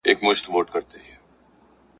اې په خوب ویده ماشومه! ,